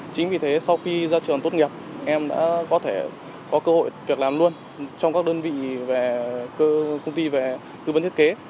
chính vì thế sau khi ra trường tốt nghiệp em đã có thể có cơ hội việc làm luôn trong các đơn vị về công ty về tư vấn thiết kế